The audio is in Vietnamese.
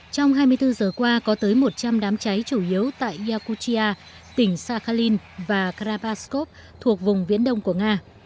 trong hai mươi bốn giờ qua có tới một trăm linh đám cháy chủ yếu tại yakuchia tỉnh sakhalin và karabaskov thuộc vùng viễn đông của nga